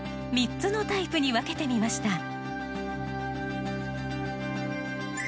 ３つのタイプに分けてみました。